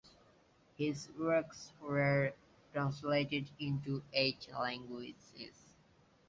His works were translated into eight languages.